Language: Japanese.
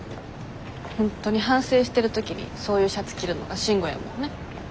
本当に反省してる時にそういうシャツ着るのが慎吾やもんね。